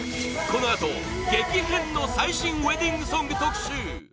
このあと、激変の最新ウェディングソング特集！